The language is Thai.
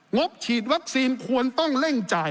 งบฉีดวัคซีนควรต้องเร่งจ่าย